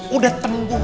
duh udah tengguk